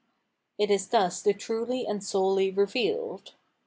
It is thus the truly and solely revealed.